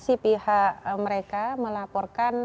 si pihak mereka melaporkan